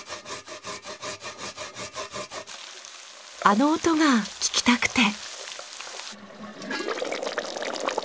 あの音が聞きたくて。